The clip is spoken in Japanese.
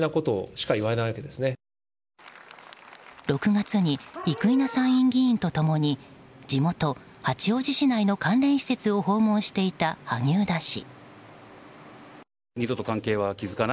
６月に生稲参院議員と共に地元・八王子市内の関連施設を訪問していた萩生田氏。